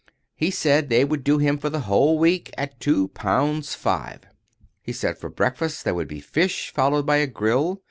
He said they would do him for the whole week at two pounds five. He said for breakfast there would be fish, followed by a grill.